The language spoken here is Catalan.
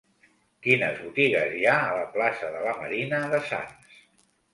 Quines botigues hi ha a la plaça de la Marina de Sants?